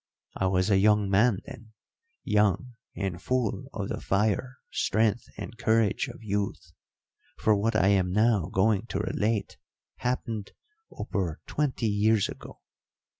I was a young man then young and full of the fire, strength, and courage of youth for what I am now going to relate happened over twenty years ago.